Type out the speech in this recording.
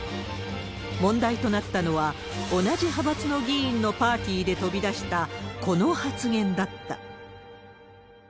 問題となったのは、同じ派閥の議員のパーティーで飛び出した、この発言だった。